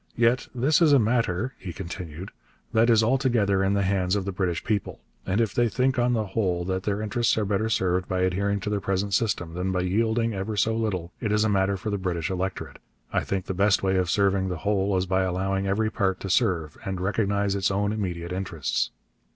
'Yet this is a matter,' he continued, 'that is altogether in the hands of the British people, and if they think on the whole that their interests are better served by adhering to their present system than by yielding ever so little, it is a matter for the British electorate. I think the best way of serving the whole is by allowing every part to serve and recognize its own immediate interests.'